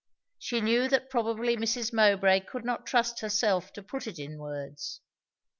She knew that probably Mrs. Mowbray could not trust herself to put it in words.